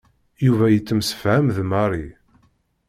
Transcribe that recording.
Yuba yettemsefham d Mary.